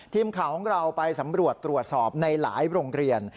ทีมข่าวของเราไปสำรวจตรวจสอบในหลายโรงเรียน